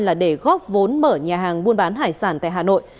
là để góp vốn mở nhà hàng buôn bán hải sản tại hà nội